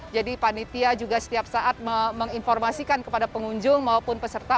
jadi panitia juga setiap saat menginformasikan kepada pengunjung maupun peserta